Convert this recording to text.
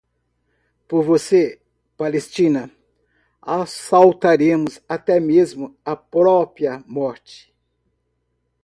Por você, Palestina, assaltaremos até mesmo a própria morte